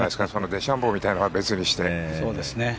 デシャンボーみたいなのは別にして。